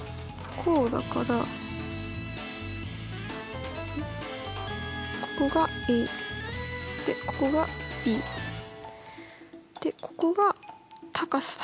こうだからここがＡでここがＢでここが高さだ。